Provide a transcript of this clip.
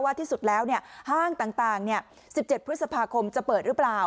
ที่สุดแล้วห้างต่าง๑๗พฤษภาคมจะเปิดหรือเปล่า